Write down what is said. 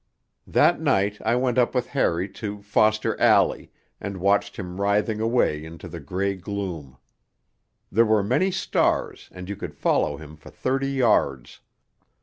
That night I went up with Harry to Foster Alley, and watched him writhing away into the grey gloom. There were many stars, and you could follow him for thirty yards.